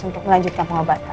untuk melanjutkan pengobatan